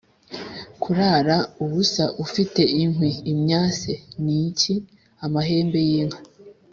Kurara ubusa ufite inkwi (imyase) ni iki ?-Amahembe y'inka.